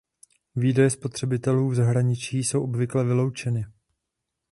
Výdaje spotřebitelů v zahraničí jsou obvykle vyloučeny.